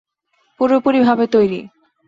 পুরোপুরি ভাবে তৈরী।